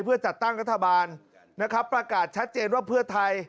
เพื่อจัดตั้งรัฐบาลนะครับประกาศชัดเจนว่าเพื่อไทย